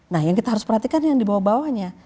nah yang kita harus perhatikan yang di bawah bawahnya